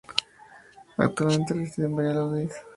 Actualmente reside en Valladolid.